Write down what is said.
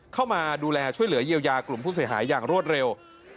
เข้ามาดูแลช่วยเหลือเยียวยากลุ่มผู้เสียหายอย่างรวดเร็ว